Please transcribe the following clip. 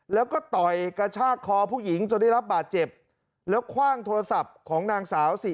แล้วก็ต่อยกระชากคอผู้หญิงจนได้รับบาดเจ็บแล้วคว่างโทรศัพท์ของนางสาวสิ